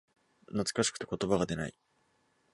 懐かしくて言葉が出ない